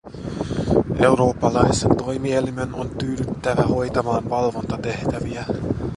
Eurooppalaisen toimielimen on tyydyttävä hoitamaan valvontatehtäviä.